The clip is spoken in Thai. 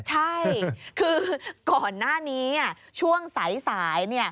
ใช่คือก่อนหน้านี้ช่วงสาย